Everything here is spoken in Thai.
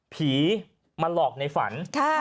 ผีมาหลอกในฝัน